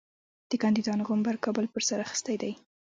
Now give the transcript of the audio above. د کاندیدانو غومبر کابل پر سر اخیستی دی.